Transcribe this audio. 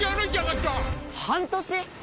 半年！？